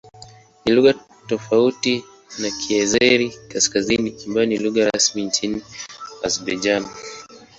Ni lugha tofauti na Kiazeri-Kaskazini ambayo ni lugha rasmi nchini Azerbaijan.